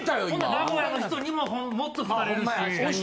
名古屋の人にももっと好かれるし。